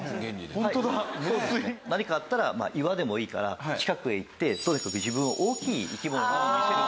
何かあったら岩でもいいから近くへ行ってとにかく自分を大きい生き物のように見せる。